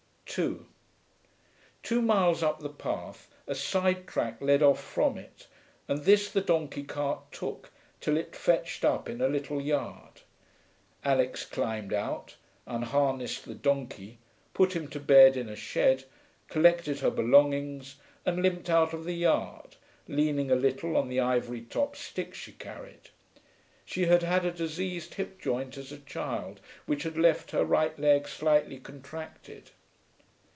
2 Two miles up the path a side track led off from it, and this the donkey cart took, till it fetched up in a little yard. Alix climbed out, unharnessed the donkey, put him to bed in a shed, collected her belongings, and limped out of the yard, leaning a little on the ivory topped stick she carried. She had had a diseased hip joint as a child, which had left her right leg slightly contracted.